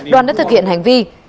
đoàn đã thực hiện hành vi